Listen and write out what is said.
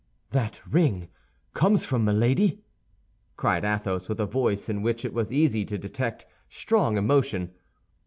"That ring comes from Milady?" cried Athos, with a voice in which it was easy to detect strong emotion.